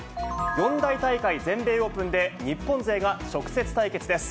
四大大会全米オープンで、日本勢が直接対決です。